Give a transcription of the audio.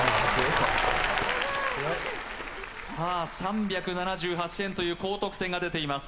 さあ３７８点という高得点が出ています